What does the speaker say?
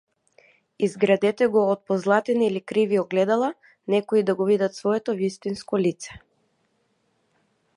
Изградете го од позлатени или криви огледала, некои да го видат своето вистинско лице.